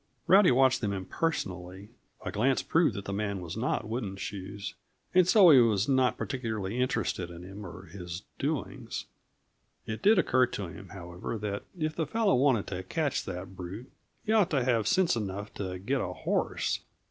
Rowdy watched them impersonally; a glance proved that the man was not Wooden Shoes, and so he was not particularly interested in him or his doings. It did occur to him, however, that if the fellow wanted to catch that brute, he ought to have sense enough to get a horse.